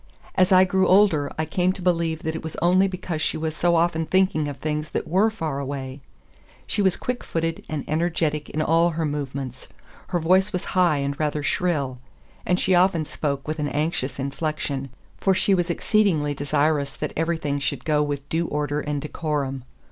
As I grew older, I came to believe that it was only because she was so often thinking of things that were far away. She was quick footed and energetic in all her movements. Her voice was high and rather shrill, and she often spoke with an anxious inflection, for she was exceedingly desirous that everything should go with due order and decorum.